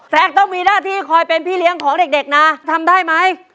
แฟนต้องมีหน้าที่คอยเป็นพี่เลี้ยงของเด็กนะทำได้ไหม